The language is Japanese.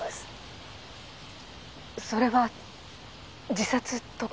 それは自殺とか？